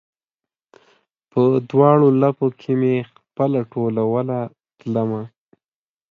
په دواړ ولپو کې مې خپله ټولوله تلمه